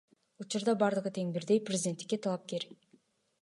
Учурда бардыгы тең бирдей президенттикке талапкер.